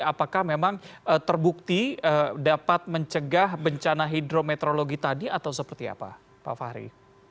apakah memang terbukti dapat mencegah bencana hidrometeorologi tadi atau seperti apa pak fahri